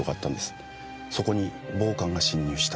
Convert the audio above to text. そこに暴漢が侵入した。